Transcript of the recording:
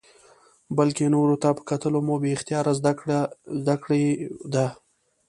بلکې نورو ته په کتلو مو بې اختیاره زده کړې ده.